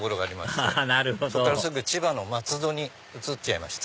アハハなるほどそこからすぐ千葉の松戸に移っちゃいました。